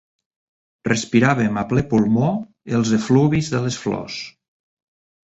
Respiràvem a ple pulmó els efluvis de les flors.